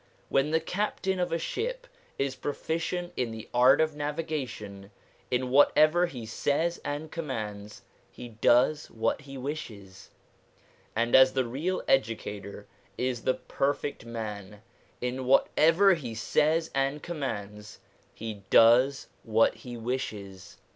When the captain of a ship is pro ficient in the art of navigation, in whatever he says and commands, ' he does what he wishes '; and as the real educator is the Perfect Man, in whatever he says and commands, ' he does what he wishes.'